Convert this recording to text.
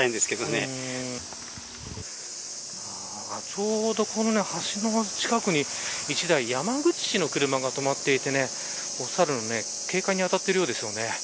ちょうど、橋の近くに１台、山口市の車が止まっていてサルの警戒に当たっているようですよね。